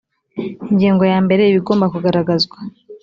ingingo ya mbere ibigomba kugaragazwa